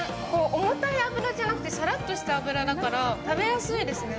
重たい脂じゃなくて、さらっとした脂だから食べやすいですね。